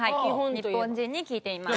日本人に聞いています。